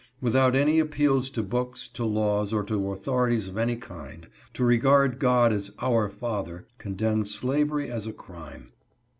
Without any appeals to books, to laws, or to authorities of any kind, to regard God as "Our Father," condemned slavery as a crime.